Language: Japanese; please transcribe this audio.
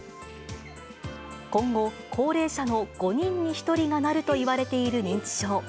今後、高齢者の５人に１人がなるといわれている認知症。